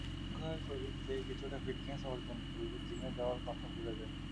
স্থূলকায় শরীর থেকে কিছুটা ফিটনেস অর্জন করলে জিমে যাওয়ার কথা ভুলে যাই।